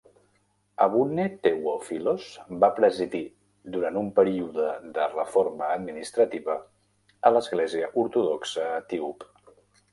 Abune Tewophilos va presidir durant un període de reforma administrativa a l'església ortodoxa etíop.